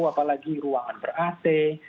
apalagi ruangan ber at